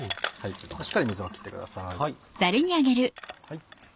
しっかり水を切ってください。